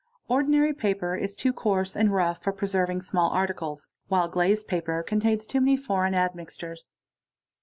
Ordinary paper is too coarse and 'rough for preserving small articles, while glazed paper contains too many foreign admixtures.